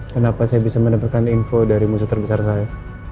kenapa saya bisa mendapatkan info dari musuh terbesar saya